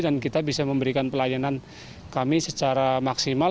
dan kita bisa memberikan pelayanan kami secara maksimal